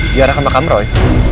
ziarah ke makam roy